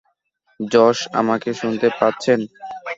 Josh, আমাকে শুনতে পাচ্ছেন?